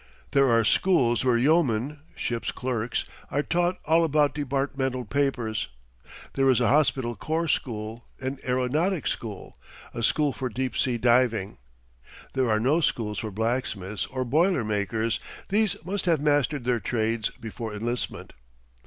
There are schools where yeomen (ship's clerks) are taught all about departmental papers; there is a Hospital Corps school; an aeronautic school; a school for deep sea diving. (There are no schools for blacksmiths or boiler makers; these must have mastered their trades before enlistment.)